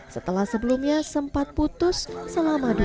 setelah sebelumnya sempat putus selama dua tahun